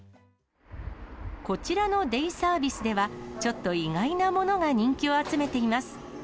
こちらのデイサービスでは、ちょっと意外なものが人気を集めています。